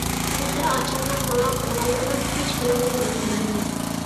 تېخى ئاچامنىڭ ماڭا قىلغانلىرىنىڭ ھېچبىرىنى ياندۇرمىدىم مەن.